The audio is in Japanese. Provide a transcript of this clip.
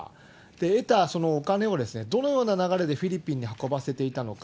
得たお金をどのような流れでフィリピンに運ばせていたのか。